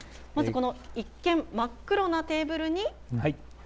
まず、この一見、真っ黒なテーブ